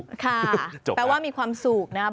แปลว่ามีความสุขนะครับ